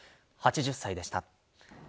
８０歳でした。